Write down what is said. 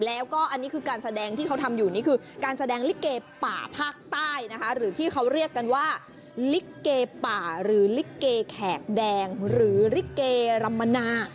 แล้วก็อันนี้คือการแสดงที่เขาทำอยู่นี่คือการแสดงลิเกป่าภาคใต้นะคะหรือที่เขาเรียกกันว่าลิเกป่าหรือลิเกแขกแดงหรือลิเกรำมนา